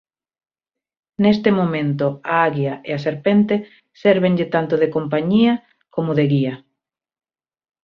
Neste momento a aguia e a serpente sérvenlle tanto de compañía como de guía.